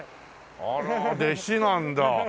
あら弟子なんだ。